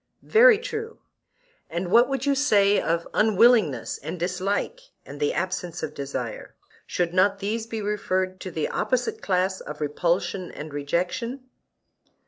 Very true. And what would you say of unwillingness and dislike and the absence of desire; should not these be referred to the opposite class of repulsion and rejection?